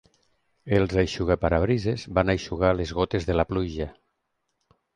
Els eixugaparabrises van eixugar les gotes de la pluja.